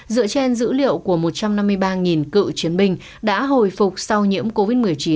dựa trên dữ liệu của một trăm năm mươi ba cựu chiến binh đã hồi phục sau nhiễm covid một mươi chín